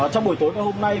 trong buổi tối ngày hôm nay